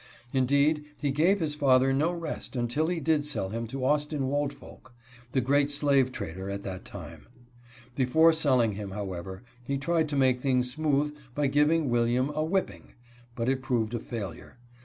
Indeed, he gave his father no rest, until he did sell him to Austin Woldfolk, the great slave trader at that time. Before selling him, however, he tried to make things smooth by giving William a whip ping, but it proved a failure.